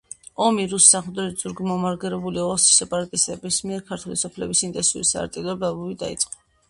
ომი რუსი სამხედროებით ზურგგამაგრებული ოსი სეპარატისტების მიერ ქართული სოფლების ინტენსიური საარტილერიო დაბომბვით დაიწყო